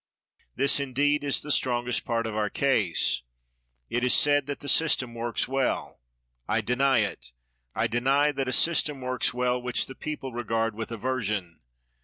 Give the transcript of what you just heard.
This, indeed, is the strongest part of our case. It is said that the system works well. I deny it. I deny that a system works well which the people regard with aversion.